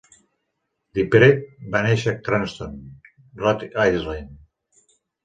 DiPrete va néixer a Cranston, Rhode Island.